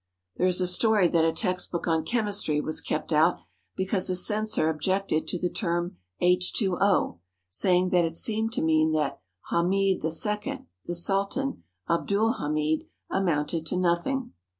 There is a story that a textbook on chemistry was kept out because a censor objected to the term H 2 0, saying that it seemed to mean that Hamid 1 1 (the Sultan, Abdul Hamid) amounted to nothing.